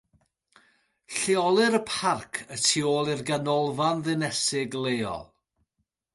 Lleolir y parc y tu ôl i'r Ganolfan Ddinesig leol.